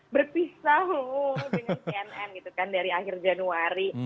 berpisah dengan cnn gitu kan dari akhir januari